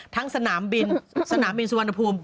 สนามบินสนามบินสุวรรณภูมิ